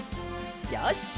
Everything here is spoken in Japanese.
よし。